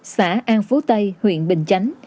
xã an phú tây huyện bình chánh